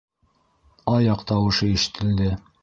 Аяҡ тауышы ишетелде.